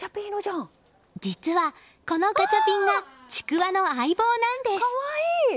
実は、このガチャピンがちくわの相棒なんです。